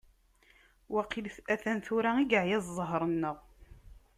Waqil atan tura i yeεya ẓẓher-nneɣ.